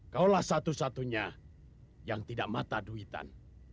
kau adalah satu satunya yang tidak mata duitan